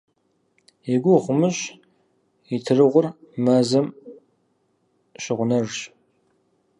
И гугъу умыщӀ, итырыгъур мэзым щыгъунэжщ».